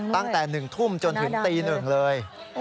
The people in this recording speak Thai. ตั้งแต่๑ทุ่มจนถึงตี๑เลย